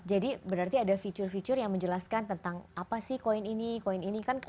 jadi berarti ada fitur fitur yang menjelaskan tentang apa sih koin ini koin ini